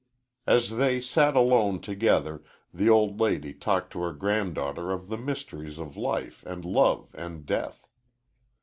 As they sat alone, together, the old lady talked to her granddaughter of the mysteries of life and love and death.